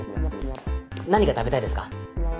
何が食べたいですか？